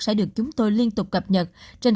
sẽ được chúng tôi liên tục cập nhật